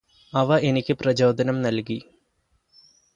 അവ എനിക്ക് പ്രചോദനം നല്കി